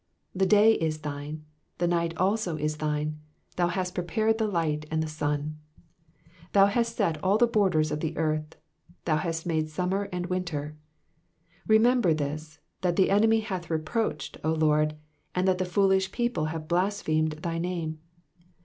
16 The day is thine, the night also is thine : thou hast pre pared the light and the sun. 17 Thou hast set all the borders of the earth : thou hast made summer and winter. 18 Remember this, that the enemy hath reproached, O LORD, and that the foolish people have blasphemed thy name.